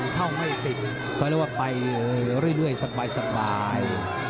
เข้าร่วมไปเรื่อยสบาย